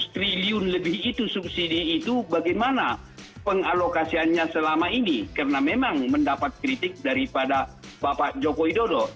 lima ratus triliun lebih itu subsidi itu bagaimana pengalokasiannya selama ini karena memang mendapat kritik daripada bapak joko widodo